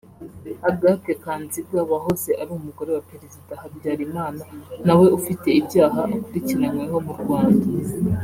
Agathe Kanziga wahoze ari umugore wa Perezida Habyarimana nawe ufite ibyaha akurikiranyweho mu Rwanda